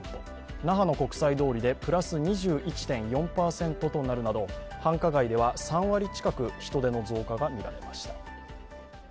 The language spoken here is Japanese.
那覇の国際通りでプラス２１．４％となるなど繁華街では３割近く人出の増加が見られました。